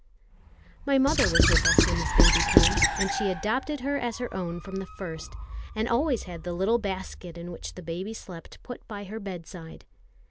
My mother was with us when this baby came; and she adopted her as her own from the first, and always had the little basket in which the baby slept put by her bedside.